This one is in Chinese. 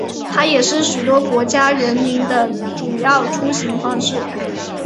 它也是许多国家的人们的主要出行方式。